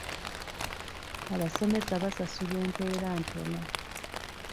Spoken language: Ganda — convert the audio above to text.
Abasomesa basasulwa empeera ntono.